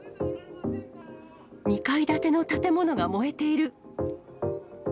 ２階建ての建物が燃えている。